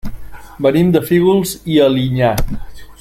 Venim de Fígols i Alinyà.